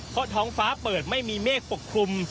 เพราะท้องฟ้าเปิดไม่มีเมฆปกคลุม